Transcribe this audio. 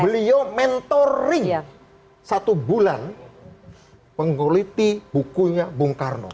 beliau mentoring satu bulan penguliti bukunya bung karno